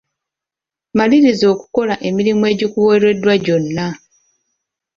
Maliriza okukola emirimu egikuweereddwa gyonna.